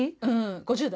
５０代？